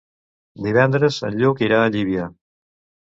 Divendres en Lluc irà a Llívia.